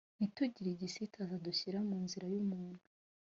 ntitugire igisitaza dushyira mu nzira y umuntu